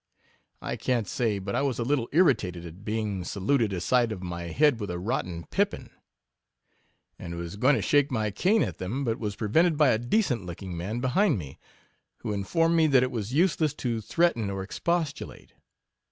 I can't say but I was a little irritated at being sa luted aside of my head with a rotten pippin ; and was going to shake my cane at them, but was prevented by a decent looking man behind me, who informed me that it was use less to threaten or expostulate.